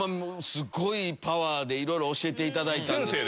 すごいパワーでいろいろ教えていただいたんです。